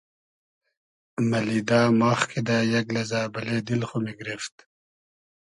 مئلیدۂ ماخ کیدۂ یئگ لئزۂ بئلې دیل خو میگریفت